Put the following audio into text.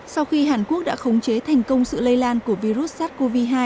sau khi hàn quốc đã khống chế thành công sự lây lan của virus sars cov hai